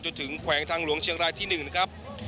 แขวงทางหลวงเชียงรายที่๑นะครับ